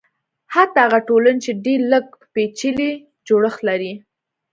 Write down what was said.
حتی هغه ټولنې چې ډېر لږ پېچلی جوړښت لري.